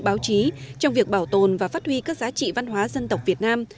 báo chí trong việc bảo tồn và phát huy các giá trị văn hóa dân tộc việt nam